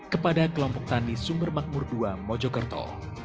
kepada kelompok tani sumer makmur ii mojokerto